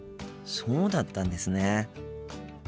そうだったんですね。